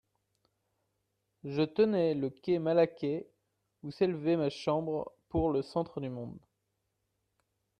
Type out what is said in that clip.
Je tenais le quai Malaquais, ou s'élevait ma chambre, pour le centre du monde.